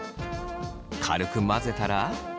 軽く混ぜたら。